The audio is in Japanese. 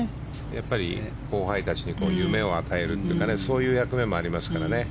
やっぱり後輩たちに夢を与えるとかそういう役目もありますからね。